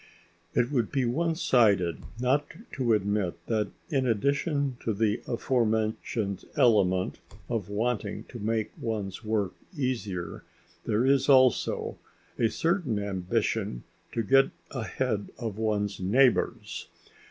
It would be one sided not to admit that in addition to the aforementioned element of wanting to make one's work easier there is also a certain ambition to get ahead of one's neighbours.